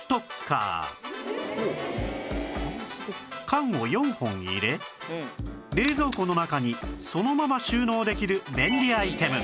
缶を４本入れ冷蔵庫の中にそのまま収納できる便利アイテム